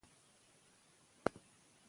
هوسا خوب ماشوم ته انرژي ورکوي.